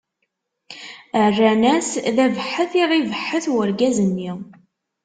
Rran-as: D abeḥḥet i ɣ-ibeḥḥet urgaz-nni.